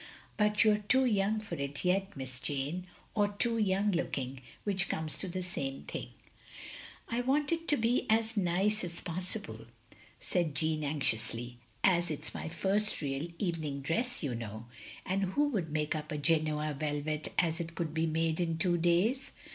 But you 're too young for it yet. Miss Jane, or too young looking, which comes to the same thing. " "I want it to be as nice as possible, said 14 90Q 2IO THE LONELY LADY Jeanne, anxiously. " As it 's my first real evening dress, you know. " "And who would make up a Grenoa velvet, as it should be made, in two days?